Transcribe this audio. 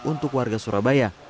untuk warga surabaya